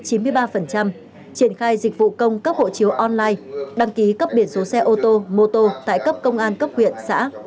triển khai dịch vụ công cấp hộ chiếu online đăng ký cấp biển số xe ô tô mô tô tại cấp công an cấp huyện xã